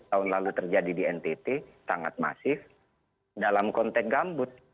tahun lalu terjadi di ntt sangat masif dalam konteks gambut